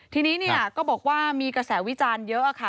ทีนี้เนี่ยก็บอกว่ามีกระแสวิจารณ์เยอะค่ะ